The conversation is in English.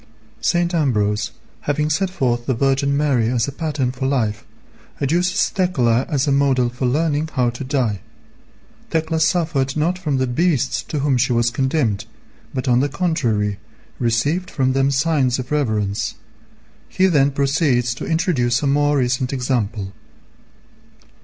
St. Ambrose having set forth the Virgin Mary as a pattern for life, adduces Thecla as a model for learning how to die. Thecla suffered not from the beasts to whom she was condemned, but on the contrary received from them signs of reverence. He then proceeds to introduce a more recent example.